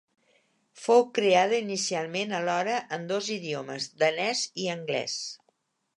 Fou creada inicialment alhora en dos idiomes: danès i anglès.